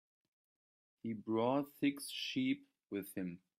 He brought six sheep with him.